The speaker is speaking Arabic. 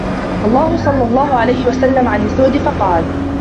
اللَّهِ صَلَّى اللَّهُ عَلَيْهِ وَسَلَّمَ عَنْ الزُّهْدِ فَقَالَ